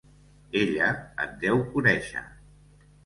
Ella et deu conèixer.